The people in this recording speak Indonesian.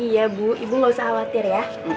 iya bu ibu gak usah khawatir ya